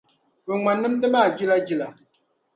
O ŋma nimdi maa jila jila.